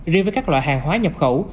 riêng với các loại hàng hóa nhập khẩu